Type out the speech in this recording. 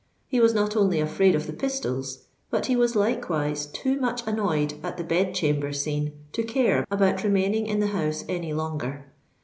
He was not only afraid of the pistols; but he was likewise too much annoyed at the bed chamber scene to care about remaining in the house any longer.